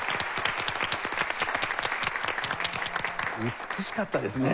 美しかったですね。